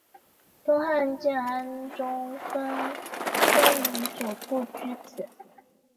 东汉建安中分匈奴左部居此。